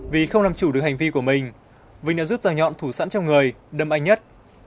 vì không làm chủ được hành vi của mình vinh đã rút ra nhọn thủ sẵn trong người đâm anh nhất